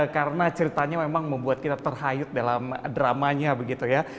karena ceritanya memang membuat kita terhayut dalam dramanya begitu ya